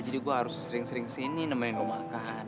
jadi gue harus sering sering sini nama yang gue makan